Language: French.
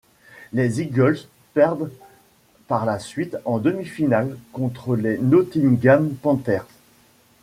Les Eagles perdent par la suite en demi-finale contre les Nottingham Panthers.